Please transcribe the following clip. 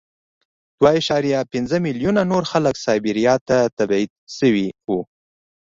دوه اعشاریه پنځه میلیونه نور خلک سایبریا ته تبعید شوي وو